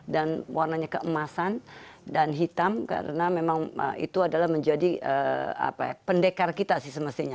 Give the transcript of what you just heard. dan warnanya keemasan dan hitam karena memang itu adalah menjadi pendekar kita sih semestinya